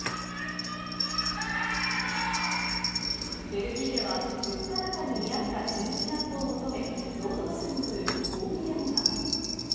ベルギーでは、物価高に見合った賃金アップを求め、労働者による抗議デモが。